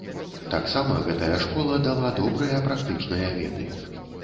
Таксама гэтая школа дала добрыя практычныя веды.